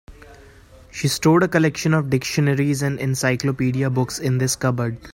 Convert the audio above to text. She stored a collection of dictionaries and encyclopedia books in this cupboard.